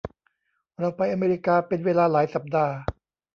เราไปอเมริกาเป็นเวลาหลายสัปดาห์